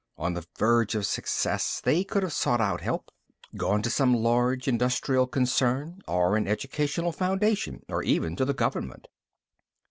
On the verge of success, they could have sought out help, gone to some large industrial concern or an educational foundation or even to the government.